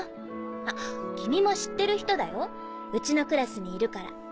あっ君も知ってる人だようちのクラスにいるから。